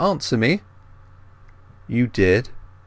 Answer me." "You did."